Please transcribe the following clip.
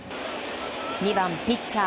２番ピッチャー